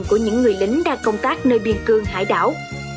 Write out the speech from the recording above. của những người lính đang công tác nơi biên cương hải đảo